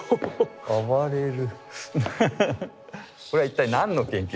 暴れる。